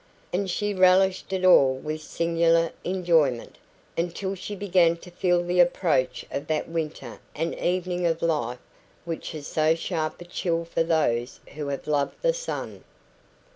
And she relished it all with singular enjoyment until she began to feel the approach of that winter and evening of life which has so sharp a chill for those who have loved the sun.